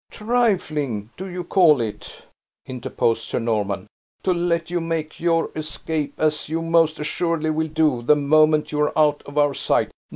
"Trifling, do you call it," interposed Sir Norman, "to let you make your escape, as you most assuredly will do the moment you are out of our sight!